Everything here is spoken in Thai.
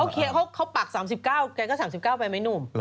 เขาเค้าปัก๓๙แอนก็๓๙ไปไหมหนูม